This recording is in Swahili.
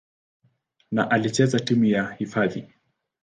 na alichezea timu yao hifadhi.